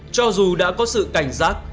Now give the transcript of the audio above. cho dù đã có sự cảnh giác